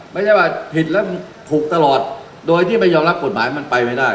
ไม่ใช่ว่าผิดแล้วถูกตลอดโดยที่ไม่ยอมรับกฎหมายมันไปไม่ได้